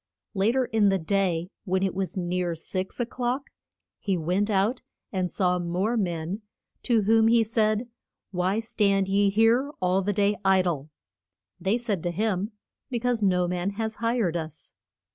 Later in the day, when it was near six o'clock, he went out and saw more men, to whom he said, Why stand ye here all the day i dle? They said to him, Be cause no man has hired us.